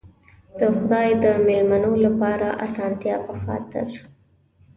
د خدای د مېلمنو لپاره د آسانتیا په خاطر.